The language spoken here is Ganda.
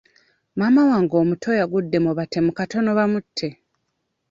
Maama wange omuto yagudde mu batemu katono bamutte.